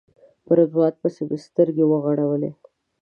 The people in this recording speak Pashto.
په رضوان پسې مې سترګې وغړولې.